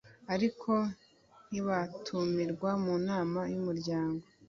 ariko ntibatumirwa mu nama y'umuryango